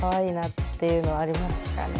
っていうのはありますかね。